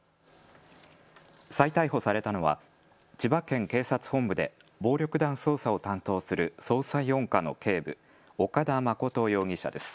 再逮捕されたのは千葉県警察本部で暴力団捜査を担当する捜査４課の警部、岡田誠容疑者です。